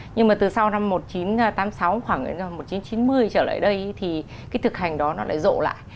nhưng mà từ sau năm một nghìn chín trăm tám mươi sáu khoảng một nghìn chín trăm chín mươi trở lại đây thì cái thực hành đó nó lại rộ lại